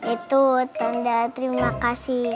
itu tanda terima kasih